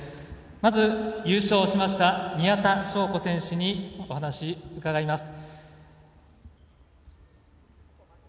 まず優勝しました宮田笙子選手にお話伺います。